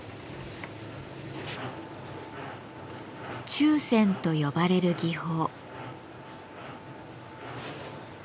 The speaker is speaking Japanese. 「注染」と呼ばれる技法。